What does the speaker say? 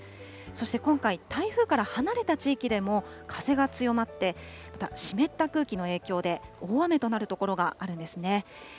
そして今回、台風から離れた地域でも、風が強まって、また湿った空気の影響で、大雨となる所があるんですね。